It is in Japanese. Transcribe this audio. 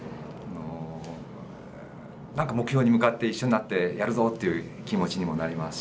なんか目標に向かって一緒になってやるぞっていう気持ちにもなりますし。